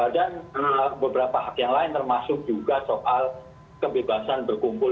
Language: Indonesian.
dan beberapa hak yang lain termasuk juga soal kebebasan berkumpul